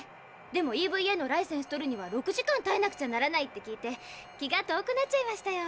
でもＥＶＡのライセンス取るには「６時間たえなくちゃならない」って聞いて気が遠くなっちゃいましたよ。